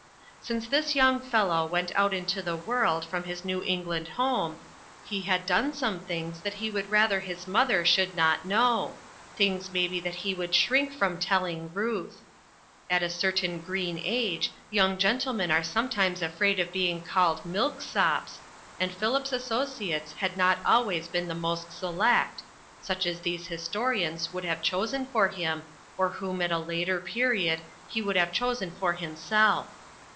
Since this young fellow went out into the world from his New England home, he had done some things that he would rather his mother should not know, things maybe that he would shrink from telling Ruth. At a certain green age young gentlemen are sometimes afraid of being called milksops, and Philip's associates had not always been the most select, such as these historians would have chosen for him, or whom at a later, period he would have chosen for himself.